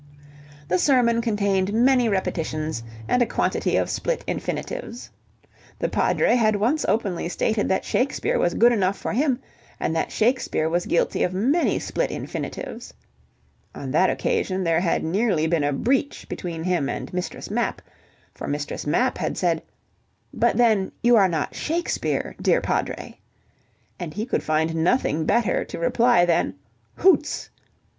The sermon contained many repetitions and a quantity of split infinitives. The Padre had once openly stated that Shakespeare was good enough for him, and that Shakespeare was guilty of many split infinitives. On that occasion there had nearly been a breach between him and Mistress Mapp, for Mistress Mapp had said: "But then you are not Shakespeare, dear Padre." And he could find nothing better to reply than "Hoots!" ...